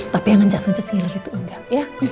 tapi yang ngencet ngencet ngiler itu enggak